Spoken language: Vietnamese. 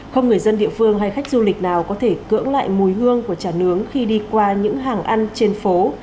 không người dân địa phương hay khách du lịch nào có thể cưỡng lại mùi hương của trà nướng khi đi qua những hàng ăn trên phố